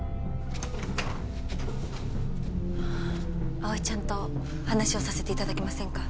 葵ちゃんと話をさせて頂けませんか？